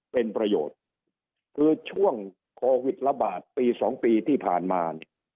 เป็นประโยชน์คือช่วงโควิดระบาดปีสองปีที่ผ่านมาเนี่ย